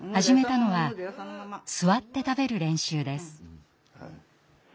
始めたのは座って食べる練習です。